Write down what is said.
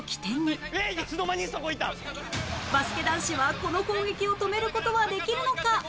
バスケ男子はこの攻撃を止める事はできるのか？